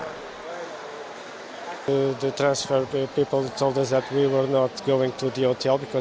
kami terasa terlalu terlalu terkena dengan terjadi tersebut